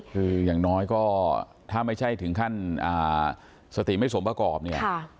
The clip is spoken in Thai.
คืออย่างน้อยก็ถ้าไม่ใช่ถึงขั้นสติไม่สมประกอบเนี่ย